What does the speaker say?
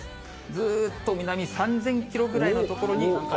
ぐーっと南、３０００キロぐらいの所に。